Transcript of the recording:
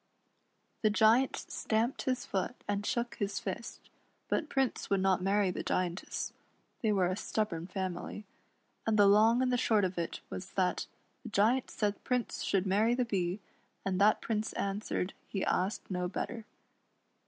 83 The Giant stamped his foot and shook his fist, but Prince would not marry the Giantess — they were a stubborn family — and the long and the short of it was tiiat the Giant said Prince should marry the Bee, and that Prince answered, he asked no belter.